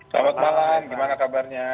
selamat malam gimana kabarnya